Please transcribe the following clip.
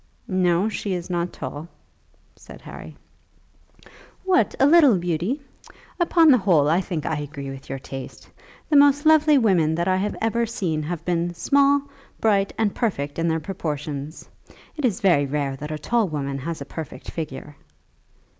"No; she is not tall," said Harry. "What, a little beauty? Upon the whole I think I agree with your taste. The most lovely women that I have ever seen have been small, bright, and perfect in their proportions. It is very rare that a tall woman has a perfect figure."